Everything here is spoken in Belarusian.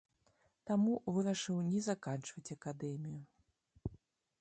Таму вырашыў не заканчваць акадэмію.